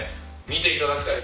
見ていただきたい。